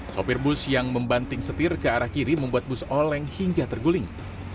sopir bus yang membanting setir ke arah kiri membuat bus oleng hingga terguling